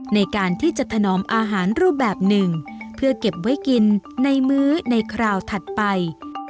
ในการที่จะถนอมอาหารรูปแบบหนึ่งเพื่อเก็บไว้กินในมื้อในคราวถัดไป